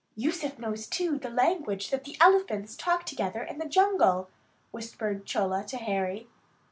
"Yusuf knows, too, the language that the elephants talk together in the jungle," whispered Chola to Harry.